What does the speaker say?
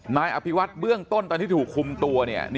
นายอภิวัตเบื้องต้นตอนที่ถูกคุมตัว